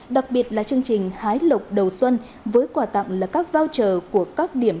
đặc biệt là chương trình hái lộc đầu xuân với quả tặng là các voucher của các điểm